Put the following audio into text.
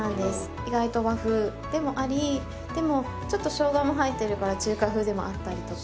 意外と和風でもありでもちょっとしょうがも入ってるから中華風でもあったりとか。